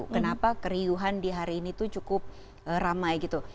kenapa keriuhan di hari ini tuh cukup ramai gitu